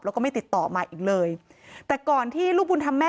แล้วก็ไม่ติดต่อมาอีกเลยแต่ก่อนที่ลูกบุญธรรมแม่